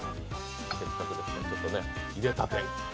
せっかくですから入れたて。